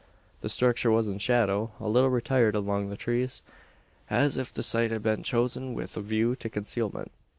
The structure was in shadow, a little retired among the trees; as if the site had been chosen with a view to concealment.